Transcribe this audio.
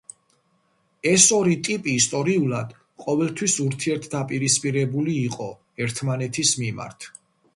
ეს ორი ტიპი ისტორიულად ყოველთვის ურთიერთდაპირისპირებული იყო ერთმანეთის მიმართ.